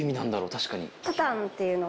確かに。